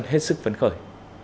nhiều dân hết sức phấn khởi